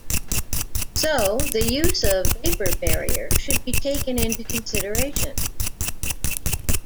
So, the use of vapor barrier should be taken into consideration.